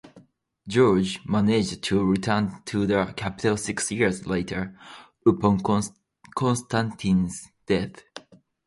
George managed to return to the capital six years later, upon Konstantin's death.